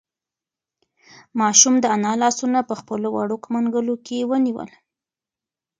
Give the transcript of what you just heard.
ماشوم د انا لاسونه په خپلو وړوکو منگولو کې ونیول.